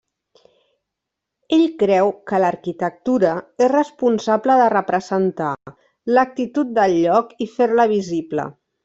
Ell creu que l'arquitectura és responsable de representar l'actitud del lloc i fer-la visible.